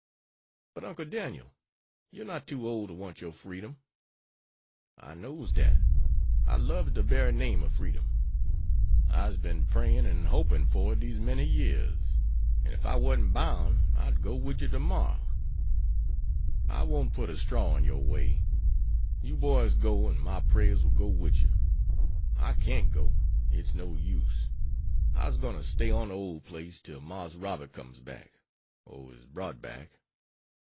"But, Uncle Daniel, you're not too old to want your freedom?" "I knows dat. I lubs de bery name of freedom. I'se been praying and hoping for it dese many years. An' ef I warn't boun', I would go wid you ter morrer. I won't put a straw in your way. You boys go, and my prayers will go wid you. I can't go, it's no use. I'se gwine to stay on de ole place till Marse Robert comes back, or is brought back."